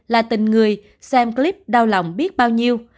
là tình người xem clip đau lòng biết bao nhiêu